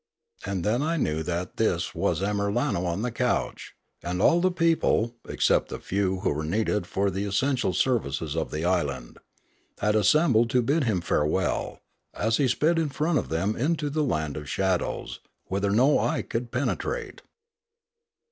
And then I knew that this was Amir alno on the couch ; and all the people, except the few who were needed for the essential services of the island, had assembled to bid him farewell, as he sped in front of them into the land of shadows whither no eye could penetrate.